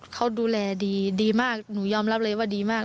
เขาดูแลดีดีมากหนูยอมรับเลยว่าดีมาก